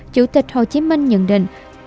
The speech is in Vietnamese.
chủ tịch hồ chí minh nhận định